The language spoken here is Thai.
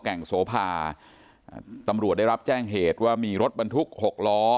แก่งโสภาตำรวจได้รับแจ้งเหตุว่ามีรถบรรทุกหกล้อ